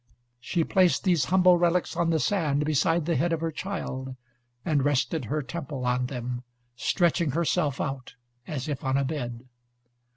She placed these humble relics on the sand, beside the head of her child, and rested her temple on them, stretching herself out, as if on a bed.